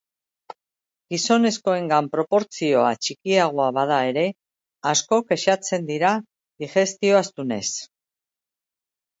Gizonezkoengan proportzioa txikiagoa bada ere, asko kexatzen dira digestio astunez.